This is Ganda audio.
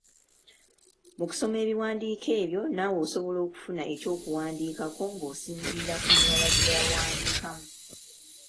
Mu kusoma ebiwandiiko ebyo naawe osobola okufuna eky’okuwandiikako ng’osinziira ku mulala gye yawandiikamu.